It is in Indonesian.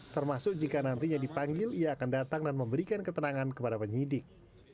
termasuk jika nantinya dipanggil ia akan datang dan memberikan keterangan kepada penyidik